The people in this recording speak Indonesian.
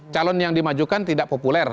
calon yang dimajukan tidak populer